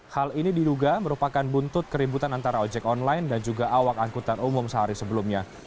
hal ini diduga merupakan buntut keributan antara ojek online dan juga awak angkutan umum sehari sebelumnya